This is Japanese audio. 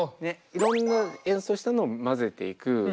いろんな演奏したのを混ぜていく。